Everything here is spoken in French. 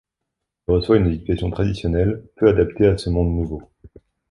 Il reçoit une éducation traditionnelle peu adaptée à ce monde nouveau.